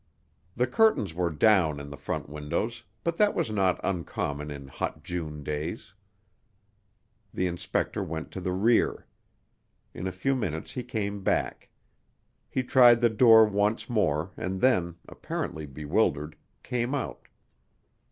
The curtains were down in the front windows, but that was not uncommon in hot June days. The inspector went to the rear. In a few minutes he came back. He tried the door once more and then, apparently bewildered, came out.